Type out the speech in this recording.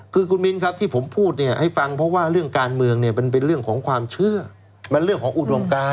คือคุณมินครับที่ผมพูดเนี่ยให้ฟังเพราะว่าเรื่องการเมืองเนี่ยมันเป็นเรื่องของความเชื่อมันเรื่องของอุดมการ